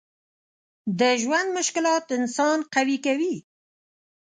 د ژوند مشکلات انسان قوي کوي.